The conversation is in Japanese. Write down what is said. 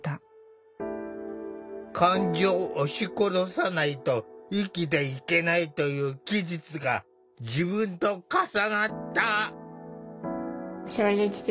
「感情を押し殺さないと生きていけない」という記述が自分と重なった。